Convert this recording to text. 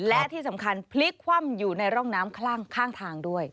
และที่สำคัญพลิกคว่ำอยู่ในร่องน้ำข้างทางด้วย